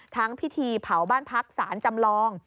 พิธีเผาบ้านพักสารจำลอง